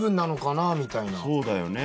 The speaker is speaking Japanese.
そうだよね。